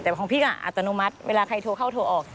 แต่ของพี่ก็อัตโนมัติเวลาใครโทรเข้าโทรออก